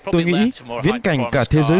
tôi nghĩ viễn cảnh cả thế giới